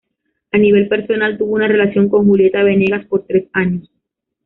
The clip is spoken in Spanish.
A nivel personal tuvo una relación con Julieta Venegas por tres años.